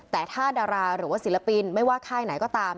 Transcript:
แต่ถ้าดาราหรือว่าศิลปินไม่ว่าค่ายไหนก็ตาม